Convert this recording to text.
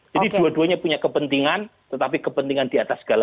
jadi dua duanya punya kepentingan tetapi kepentingan di atas segala